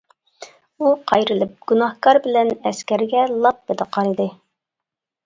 ئۇ قايرىلىپ گۇناھكار بىلەن ئەسكەرگە لاپپىدە قارىدى.